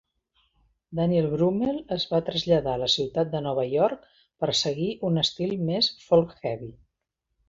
Daniel Brummel es va traslladar a la ciutat de Nova York per seguir un estil més folk-heavy.